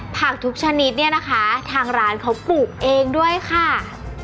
ผักทุกชนิดเนี่ยนะคะทางร้านเขาปลูกเองด้วยค่ะ